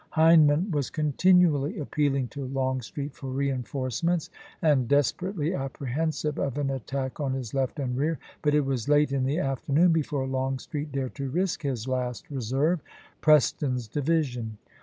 Hindman was continually appealing to Longstreet for reenforce ments and desperately apprehensive of an attack on his left and rear ; but it was late in the after noon before Longstreet dared to risk his last re serve, Preston's division.